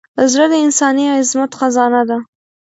زړه د انساني عظمت خزانه ده.